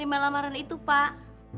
saya menerima lamaran itu pak